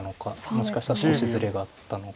もしかしたら少しずれがあったのか。